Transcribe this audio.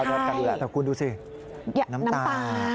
ขอลูกกูดูสิน้ำตา